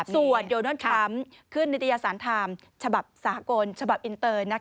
ส่วนโดนัลด์ทรัมป์ขึ้นนิตยสารไทม์ฉบับสากลฉบับอินเตอร์